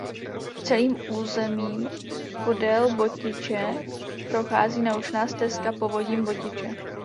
Celým územím podél Botiče prochází naučná stezka Povodím Botiče.